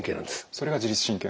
それが自律神経。